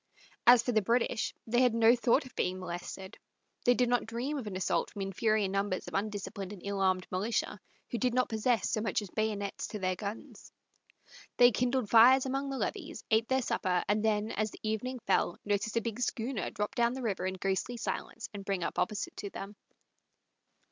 As for the British, they had no thought of being molested. They did not dream of an assault from inferior numbers of undisciplined and ill armed militia, who did not possess so much as bayonets to their guns. They kindled fires along the levees, ate their supper, and then, as the evening fell, noticed a big schooner drop down the river in ghostly silence and bring up opposite to them.